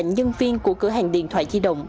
nhân viên của cửa hàng điện thoại di động